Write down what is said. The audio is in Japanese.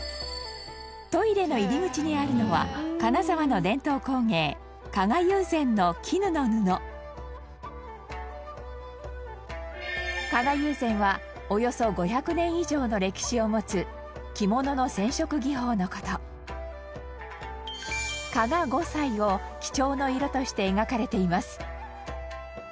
トイレの入り口にあるのは金沢の伝統工芸加賀友禅の絹の布加賀友禅はおよそ５００年以上の歴史を持つ着物の染色技法の事加賀五彩を基調の色として描かれています